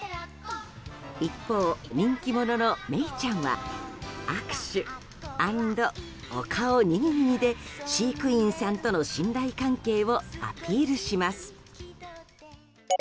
一方、人気者のメイちゃんは握手アンドお顔にぎにぎで飼育員さんとの信頼関係をアピールします。